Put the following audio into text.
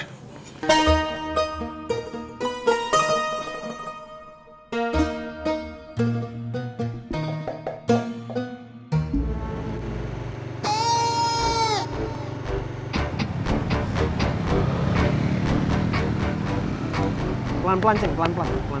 ini udah pelan